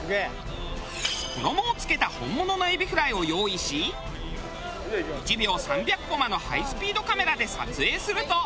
衣をつけた本物のエビフライを用意し１秒３００コマのハイスピードカメラで撮影すると。